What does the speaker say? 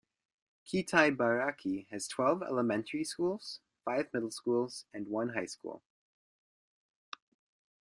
Kitaibaraki has twelve elementary schools, five middle schools, and one high school.